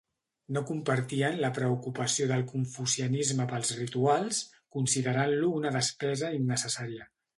No compartien la preocupació del confucianisme pels rituals considerant-lo una despesa innecessària.